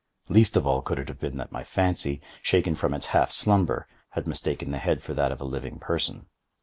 Least of all, could it have been that my fancy, shaken from its half slumber, had mistaken the head for that of a living person.